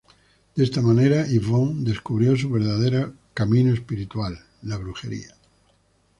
De esta manera Yvonne descubrió su verdadero camino espiritual, la brujería.